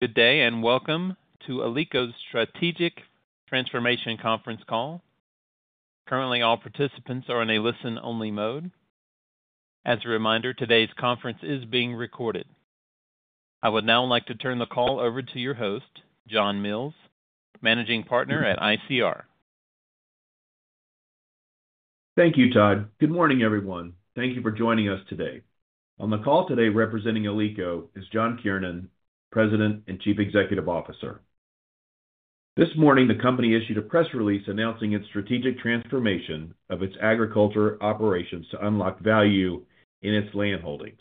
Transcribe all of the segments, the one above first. Good day and welcome to Alico's Strategic Transformation Conference call. Currently, all participants are in a listen-only mode. As a reminder, today's conference is being recorded. I would now like to turn the call over to your host, John Mills, Managing Partner at ICR. Thank you, Todd. Good morning, everyone. Thank you for joining us today. On the call today, representing Alico, is John Kiernan, President and Chief Executive Officer. This morning, the company issued a press release announcing its strategic transformation of its agriculture operations to unlock value in its land holdings.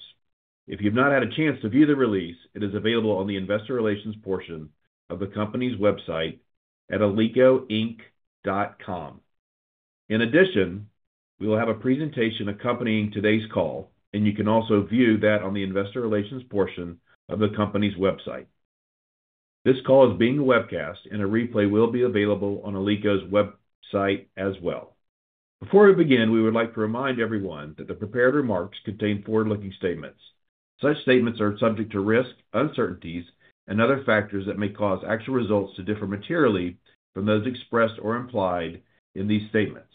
If you've not had a chance to view the release, it is available on the investor relations portion of the company's website at alicoinc.com. In addition, we will have a presentation accompanying today's call, and you can also view that on the investor relations portion of the company's website. This call is being webcast, and a replay will be available on Alico's website as well. Before we begin, we would like to remind everyone that the prepared remarks contain forward-looking statements. Such statements are subject to risk, uncertainties, and other factors that may cause actual results to differ materially from those expressed or implied in these statements.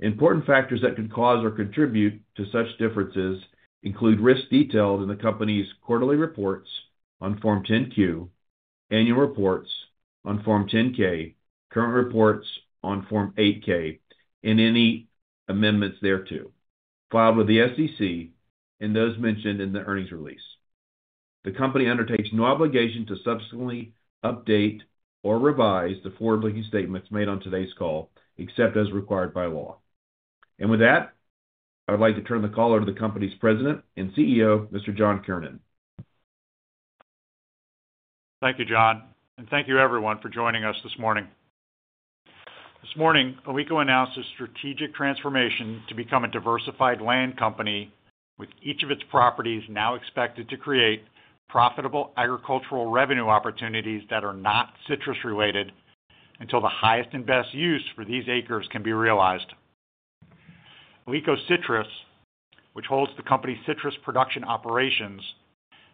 Important factors that could cause or contribute to such differences include risks detailed in the company's quarterly reports on Form 10-Q, annual reports on Form 10-K, current reports on Form 8-K, and any amendments thereto, filed with the SEC, and those mentioned in the earnings release. The company undertakes no obligation to subsequently update or revise the forward-looking statements made on today's call, except as required by law, and with that, I would like to turn the call over to the company's President and CEO, Mr. John Kiernan. Thank you, John, and thank you, everyone, for joining us this morning. This morning, Alico announced its strategic transformation to become a diversified land company, with each of its properties now expected to create profitable agricultural revenue opportunities that are not citrus-related until the highest and best use for these acres can be realized. Alico Citrus, which holds the company's citrus production operations,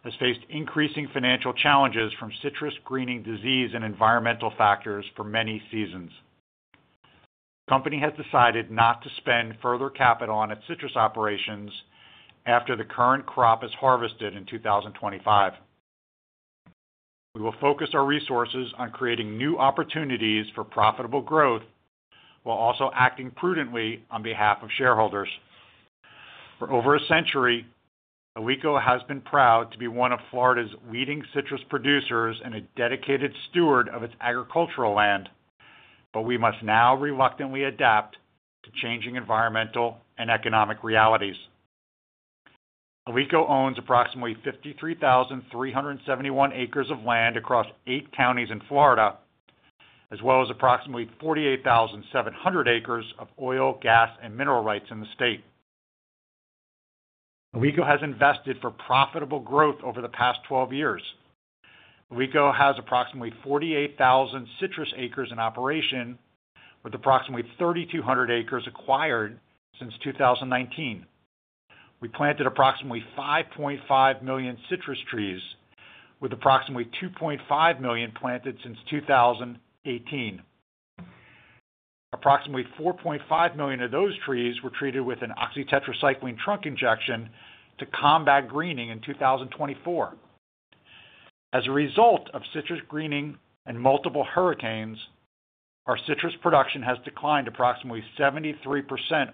has faced increasing financial challenges from citrus greening disease and environmental factors for many seasons. The company has decided not to spend further capital on its citrus operations after the current crop is harvested in 2025. We will focus our resources on creating new opportunities for profitable growth while also acting prudently on behalf of shareholders. For over a century, Alico has been proud to be one of Florida's leading citrus producers and a dedicated steward of its agricultural land, but we must now reluctantly adapt to changing environmental and economic realities. Alico owns approximately 53,371 acres of land across eight counties in Florida, as well as approximately 48,700 acres of oil, gas, and mineral rights in the state. Alico has invested for profitable growth over the past 12 years. Alico has approximately 48,000 citrus acres in operation, with approximately 3,200 acres acquired since 2019. We planted approximately 5.5 million citrus trees, with approximately 2.5 million planted since 2018. Approximately 4.5 million of those trees were treated with an oxytetracycline trunk injection to combat greening in 2024. As a result of citrus greening and multiple hurricanes, our citrus production has declined approximately 73%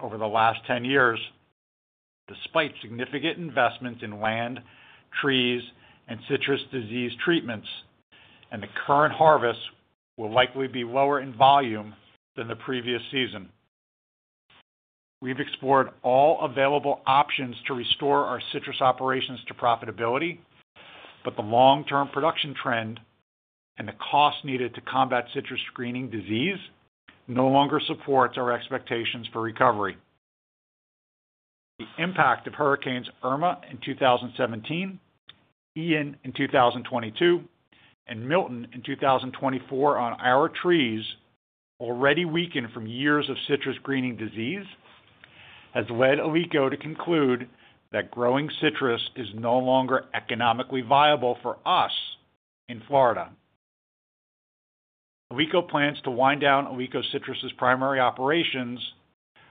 over the last 10 years, despite significant investments in land, trees, and citrus disease treatments, and the current harvest will likely be lower in volume than the previous season. We've explored all available options to restore our citrus operations to profitability, but the long-term production trend and the cost needed to combat citrus greening disease no longer supports our expectations for recovery. The impact of Hurricanes Irma in 2017, Ian in 2022, and Milton in 2024 on our trees, already weakened from years of citrus greening disease, has led Alico to conclude that growing citrus is no longer economically viable for us in Florida. Alico plans to wind down Alico Citrus's primary operations,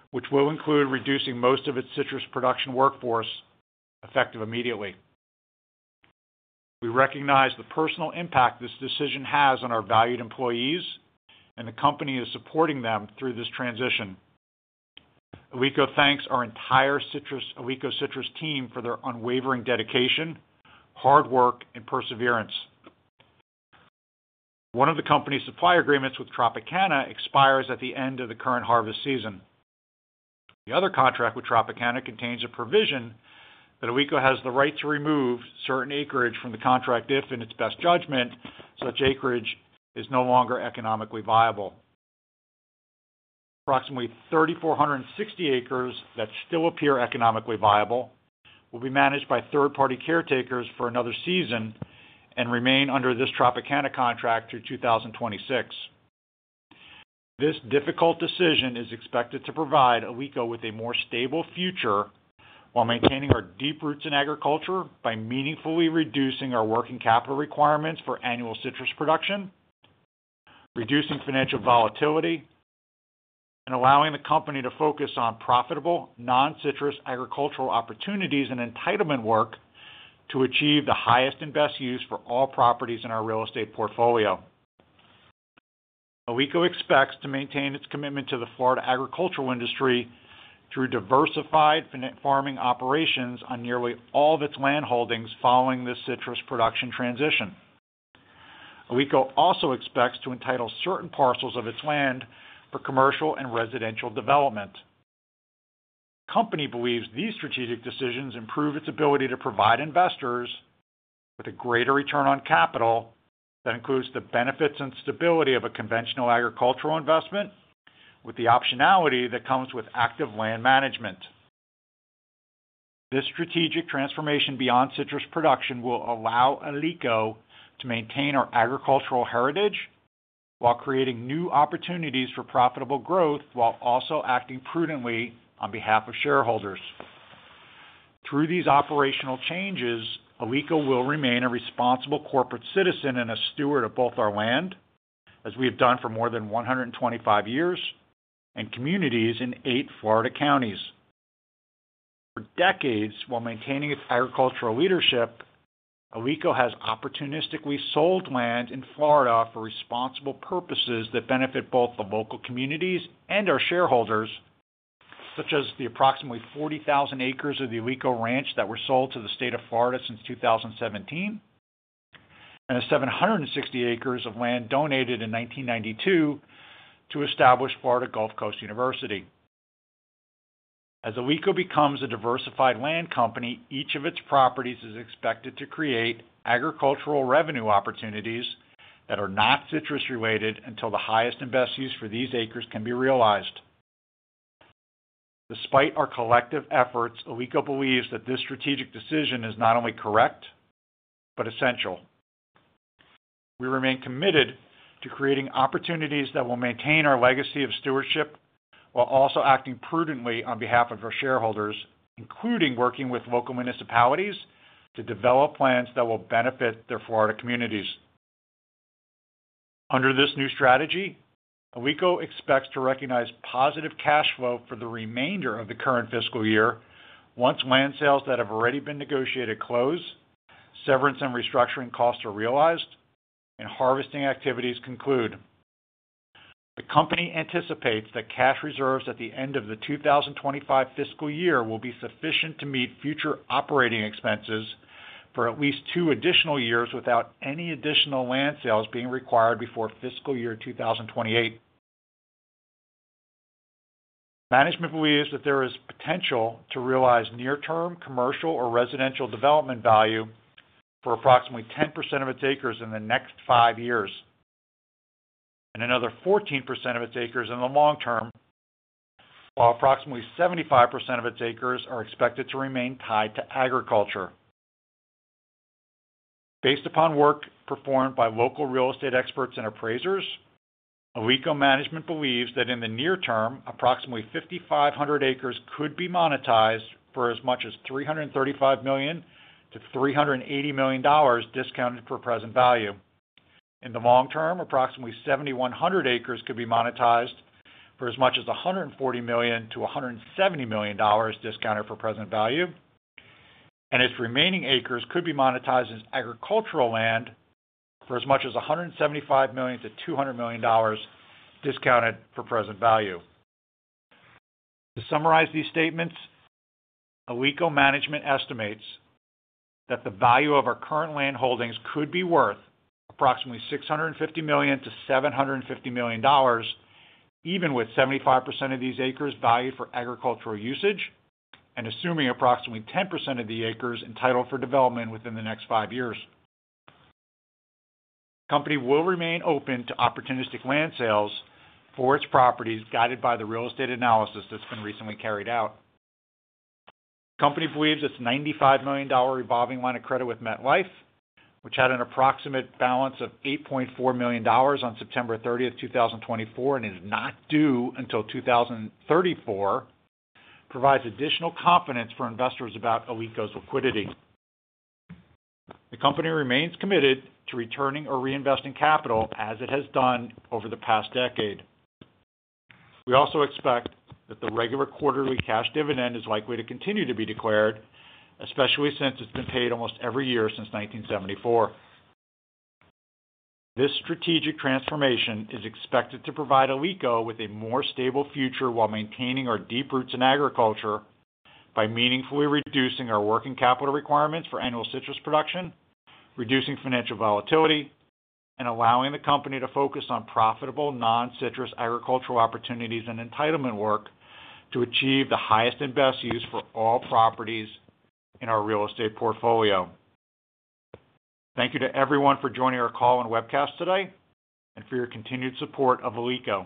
which will include reducing most of its citrus production workforce effective immediately. We recognize the personal impact this decision has on our valued employees and the company is supporting them through this transition. Alico thanks our entire Alico Citrus team for their unwavering dedication, hard work, and perseverance. One of the company's supply agreements with Tropicana expires at the end of the current harvest season. The other contract with Tropicana contains a provision that Alico has the right to remove certain acreage from the contract if, in its best judgment, such acreage is no longer economically viable. Approximately 3,460 acres that still appear economically viable will be managed by third-party caretakers for another season and remain under this Tropicana contract through 2026. This difficult decision is expected to provide Alico with a more stable future while maintaining our deep roots in agriculture by meaningfully reducing our working capital requirements for annual citrus production, reducing financial volatility, and allowing the company to focus on profitable non-citrus agricultural opportunities and entitlement work to achieve the highest and best use for all properties in our real estate portfolio. Alico expects to maintain its commitment to the Florida agricultural industry through diversified farming operations on nearly all of its land holdings following this citrus production transition. Alico also expects to entitle certain parcels of its land for commercial and residential development. The company believes these strategic decisions improve its ability to provide investors with a greater return on capital that includes the benefits and stability of a conventional agricultural investment, with the optionality that comes with active land management. This strategic transformation beyond citrus production will allow Alico to maintain our agricultural heritage while creating new opportunities for profitable growth, while also acting prudently on behalf of shareholders. Through these operational changes, Alico will remain a responsible corporate citizen and a steward of both our land, as we have done for more than 125 years, and communities in eight Florida counties. For decades, while maintaining its agricultural leadership, Alico has opportunistically sold land in Florida for responsible purposes that benefit both the local communities and our shareholders, such as the approximately 40,000 acres of the Alico Ranch that were sold to the state of Florida since 2017, and 760 acres of land donated in 1992 to establish Florida Gulf Coast University. As Alico becomes a diversified land company, each of its properties is expected to create agricultural revenue opportunities that are not citrus-related until the highest and best use for these acres can be realized. Despite our collective efforts, Alico believes that this strategic decision is not only correct but essential. We remain committed to creating opportunities that will maintain our legacy of stewardship while also acting prudently on behalf of our shareholders, including working with local municipalities to develop plans that will benefit their Florida communities. Under this new strategy, Alico expects to recognize positive cash flow for the remainder of the current fiscal year once land sales that have already been negotiated close, severance and restructuring costs are realized, and harvesting activities conclude. The company anticipates that cash reserves at the end of the 2025 fiscal year will be sufficient to meet future operating expenses for at least two additional years without any additional land sales being required before fiscal year 2028. Management believes that there is potential to realize near-term commercial or residential development value for approximately 10% of its acres in the next five years and another 14% of its acres in the long term, while approximately 75% of its acres are expected to remain tied to agriculture. Based upon work performed by local real estate experts and appraisers, Alico Management believes that in the near term, approximately 5,500 acres could be monetized for as much as $335 million-$380 million discounted for present value. In the long term, approximately 7,100 acres could be monetized for as much as $140 million-$170 million discounted for present value, and its remaining acres could be monetized as agricultural land for as much as $175 million-$200 million discounted for present value. To summarize these statements, Alico Management estimates that the value of our current land holdings could be worth approximately $650 million-$750 million, even with 75% of these acres valued for agricultural usage and assuming approximately 10% of the acres entitled for development within the next five years. The company will remain open to opportunistic land sales for its properties guided by the real estate analysis that's been recently carried out. The company believes its $95 million revolving line of credit with MetLife, which had an approximate balance of $8.4 million on September 30th, 2024, and is not due until 2034, provides additional confidence for investors about Alico's liquidity. The company remains committed to returning or reinvesting capital as it has done over the past decade. We also expect that the regular quarterly cash dividend is likely to continue to be declared, especially since it's been paid almost every year since 1974. This strategic transformation is expected to provide Alico with a more stable future while maintaining our deep roots in agriculture by meaningfully reducing our working capital requirements for annual citrus production, reducing financial volatility, and allowing the company to focus on profitable non-citrus agricultural opportunities and entitlement work to achieve the highest and best use for all properties in our real estate portfolio. Thank you to everyone for joining our call and webcast today and for your continued support of Alico.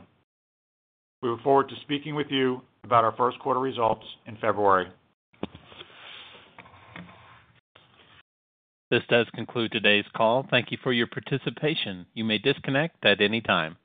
We look forward to speaking with you about our first quarter results in February. This does conclude today's call. Thank you for your participation. You may disconnect at any time.